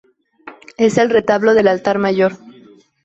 Es el retablo del altar mayor.